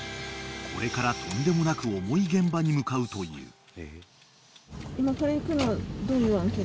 ［これからとんでもなく重い現場に向かうという］